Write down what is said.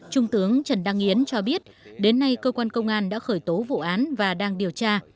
trung tướng trần đăng yến cho biết đến nay cơ quan công an đã khởi tố vụ án và đang điều tra